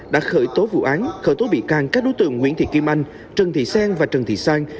đã khởi tố vụ án khởi tố bị can các đối tượng nguyễn thị kim anh trần thị xen và trần thị sang